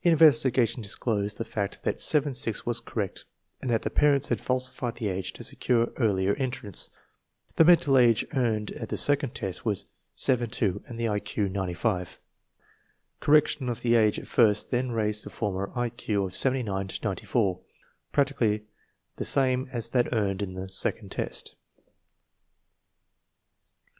Investigation disclosed the fact that 7 6 was correct and that the parents had falsified the age to secure earlier en* trance. The mental age earned at the second test was 7 2 and the I Q 95. Correction of the age at first test raised the former I Q of 79 to 94, practically the same as that earned in the second test.